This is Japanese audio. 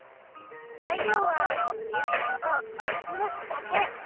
材料は牛乳とりんご酢だけ！